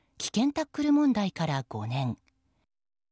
タックル問題から５年。